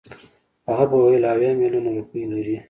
هغه به ویل اویا میلیونه روپۍ لري.